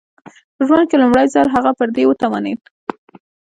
په ژوند کې لومړی ځل هغه پر دې وتوانېد